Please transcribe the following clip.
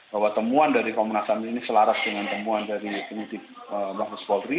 bahwa temuan dari komunasam ini selaras dengan temuan dari penyidik mabus wolri